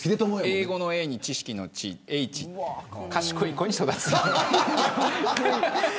英語の英に知識の知賢い子に育つ。